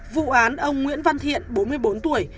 vụ án ông nguyễn văn thiện bốn mươi bốn tuổi